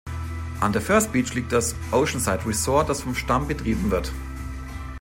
An der First Beach liegt das "Oceanside Resort", das vom Stamm betrieben wird.